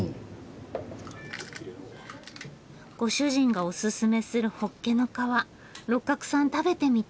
ご主人がオススメするホッケの皮六角さん食べてみて。